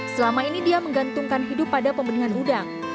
selama ini dia menggantungkan hidup pada pembenihan udang